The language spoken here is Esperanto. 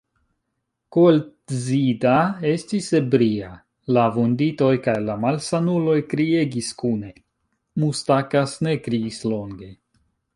Koltzida estis ebria; la vunditoj kaj la malsanuloj kriegis kune; Mustakas ne kriis longe.